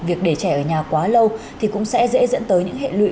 việc để trẻ ở nhà quá lâu thì cũng sẽ dễ dẫn tới những hệ lụy